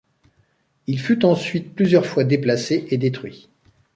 Il fut ensuite plusieurs fois déplacé et détruit.